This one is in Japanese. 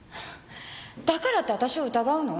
だからって私を疑うの？